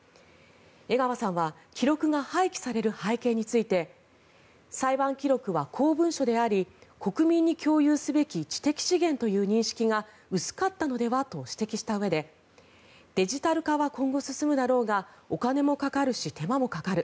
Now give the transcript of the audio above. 江川さんは記録が廃棄される背景について裁判記録は公文書であり国民に共有すべき知的資源という認識が薄かったのではと指摘したうえでデジタル化は今後進むだろうがお金もかかるし手間もかかる。